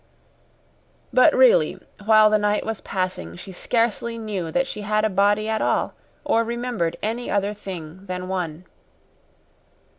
But, really, while the night was passing she scarcely knew that she had a body at all or remembered any other thing than one.